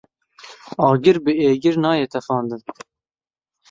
Agir bi êgir nayê tefandin.